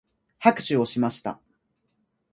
拍手をしました。